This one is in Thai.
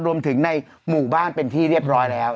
รวมถึงในหมู่บ้านเป็นที่เรียบร้อยแล้ว